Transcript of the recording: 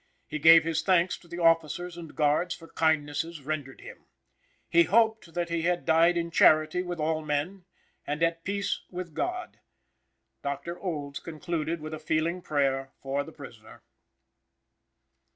He gave his thanks to the officers and guards for kindnesses rendered him. He hoped that he had died in charity with all men and at peace with God. Dr. Olds concluded with a feeling prayer for the prisoner.